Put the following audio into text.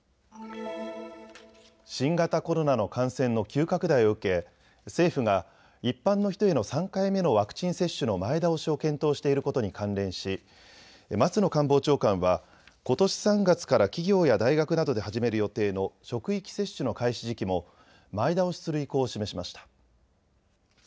新型コロナの感染の急拡大を受け政府が一般の人への３回目のワクチン接種の前倒しを検討していることに関連し、松野官房長官は、ことし３月から企業や大学などで始める予定の職域接種の開始時期も前倒しする意向を示しました。